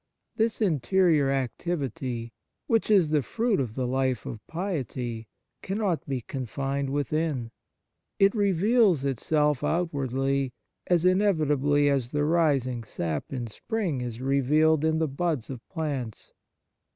This interior activity, which is the fruit of the life of piety, cannot be confined within. It reveals itself outwardly, as inevitably as the rising sap in spring is revealed in the buds of plants.